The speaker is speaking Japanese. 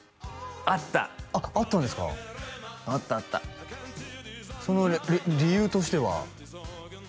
あったあっあったんですかあったあったその理由としては？